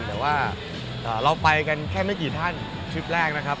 แค่ไม่กี่ท่านทริปแรกนะครับ